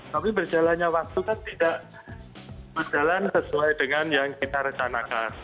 tapi berjalannya waktu kan tidak berjalan sesuai dengan yang kita rencanakan